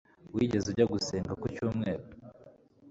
Wigeze ujya gusenga ku cyumweru?